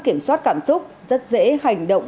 kiểm soát cảm xúc rất dễ hành động